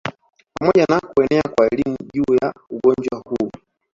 Pamoja na kuenea kwa elimu juu ya ugonjwa huu